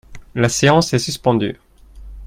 La séance est suspendue.